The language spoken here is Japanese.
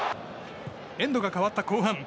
エンドが変わった後半。